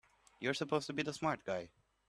You're supposed to be a smart guy!